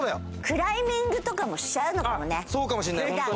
クライミングとかもしちゃうのかもね。